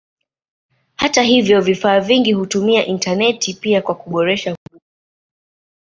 Hata hivyo vifaa vingi hutumia intaneti pia kwa kuboresha huduma.